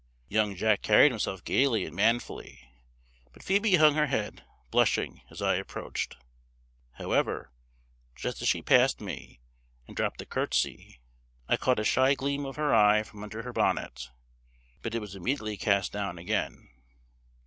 Young Jack carried himself gaily and manfully; but Phoebe hung her head, blushing, as I approached. However, just as she passed me, and dropped a curtsy, I caught a shy gleam of her eye from under her bonnet; but it was immediately cast down again.